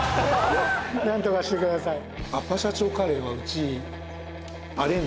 なんとかしてください。